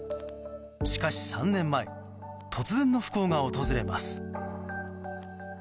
しかし３年前突然の不幸が訪れます。